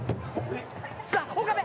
さあ岡部！